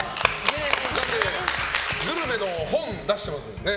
だってグルメの本出してますもんね。